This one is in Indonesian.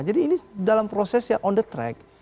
jadi ini dalam proses yang on the track